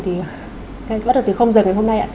thì bắt đầu từ không dần đến hôm nay